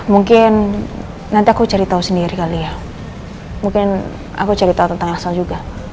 mungkin nanti aku cari tahu sendiri kali ya mungkin aku cerita tentang asal juga